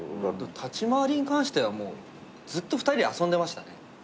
立ち回りに関してはずっと２人で遊んでましたね。